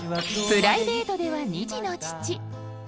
プライベートでは２児の父。